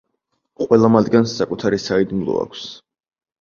ყველა მათგანს საკუთარი საიდუმლო აქვს.